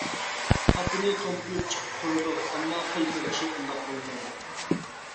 تاپىنى تومپىيىپ چىقىپ تۇرىدۇ، ئەمما قول بېغىشى ئۇنداق بولمايدۇ.